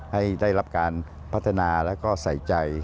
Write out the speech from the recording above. ให้ได้รับการพัฒนาแล้วก็ใส่ใจ